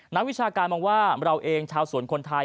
วิชาการมองว่าเราเองชาวสวนคนไทย